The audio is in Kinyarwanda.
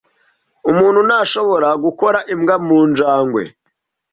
Umuntu ntashobora gukora imbwa mu njangwe.